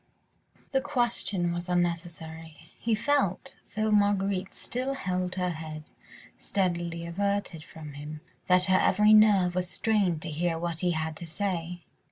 The question was unnecessary. He felt, though Marguerite still held her head steadily averted from him, that her every nerve was strained to hear what he had to say.